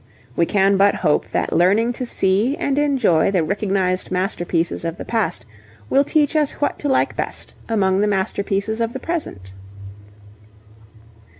We can but hope that learning to see and enjoy the recognized masterpieces of the past will teach us what to like best among the masterpieces of the present.